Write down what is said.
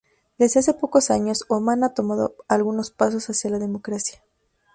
Desde hace pocos años, Omán ha tomado algunos pasos hacia la democracia.